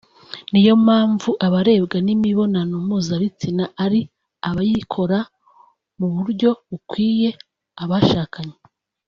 niyo mpamvu abarebwa n’imibonano mpuzabitsina ari abayikora mu buryo bukwiye (abashakanye)